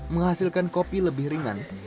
menghasilkan kopi lebih ringan